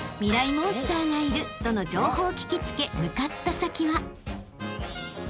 モンスターがいるとの情報を聞き付け向かった先は］